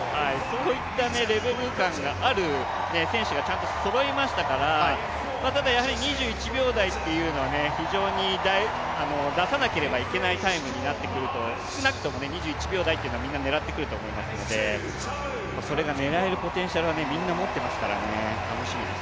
そういったレベル感がある選手がちゃんとそろいましたからただやはり２１秒台というのは非常に出さなければいけないタイムになってくると、少なくとも２１秒台というのはみんな狙ってくると思いますので、それが狙えるポテンシャルはみんな持ってますから楽しみです。